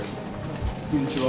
こんにちは。